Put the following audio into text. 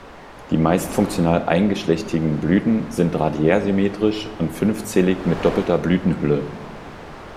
Die meist funktional eingeschlechtigen Blüten sind radiärsymmetrisch und fünfzählig mit doppelter Blütenhülle.